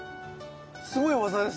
⁉すごい技ですね。